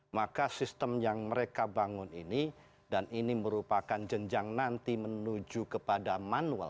maka sistem yang mereka bangun ini dan ini merupakan jenjang nanti menuju kepada manual